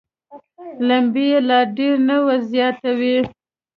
لمبې یې لا ډېرې نه وزياتوي.